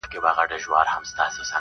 دا کار ځکه اړین دی